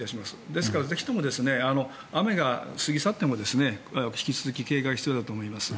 ですから、ぜひとも雨が過ぎ去っても引き続き警戒が必要だと思います。